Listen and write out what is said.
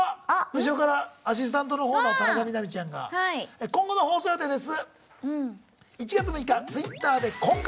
後ろからアシスタントの方の田中みな実ちゃんが今後の放送予定です。